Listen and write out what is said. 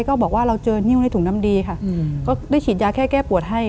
ก็บอกว่าเราเจอนิ้วในถุงน้ำดีค่ะก็ได้ฉีดยาแค่แก้ปวดให้